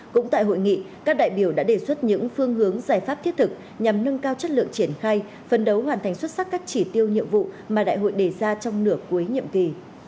cũng tại hội nghị các đại biểu đã đề xuất những phương hướng giải pháp thiết thực nhằm nâng cao chất lượng triển khai phân đấu hoàn thành xuất sắc các chỉ tiêu nhiệm vụ mà đại hội đề ra trong nửa cuối nhiệm kỳ